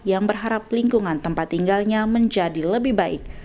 yang berharap lingkungan tempat tinggalnya menjadi lebih baik